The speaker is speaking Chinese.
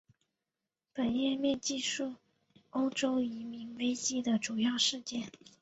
本页面记叙欧洲移民危机的主要事件。